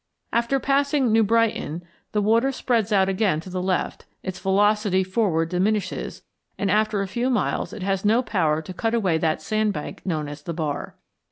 After passing New Brighton the water spreads out again to the left; its velocity forward diminishes; and after a few miles it has no power to cut away that sandbank known as the Bar.